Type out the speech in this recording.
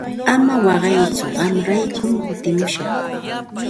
Ama waqaytsu qamraykum kutimushaq.